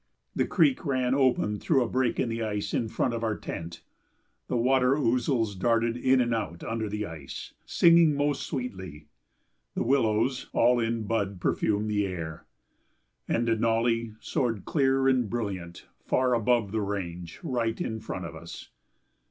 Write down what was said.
The creek ran open through a break in the ice in front of our tent; the water ousels darted in and out under the ice, singing most sweetly; the willows, all in bud, perfumed the air; and Denali soared clear and brilliant, far above the range, right in front of us.